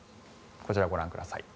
こちら、ご覧ください。